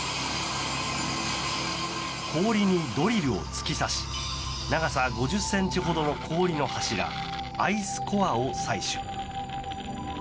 氷にドリルを突き刺し長さ５０ｃｍほどの氷の柱アイスコアを採取。